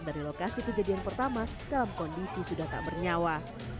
dari lokasi kejadian pertama dalam kondisi sudah tak bernyawa